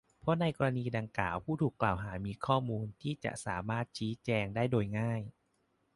เพราะในกรณีดังกล่าวผู้ถูกกล่าวหามีข้อมูลที่จะสามารถชี้แจงได้โดยง่าย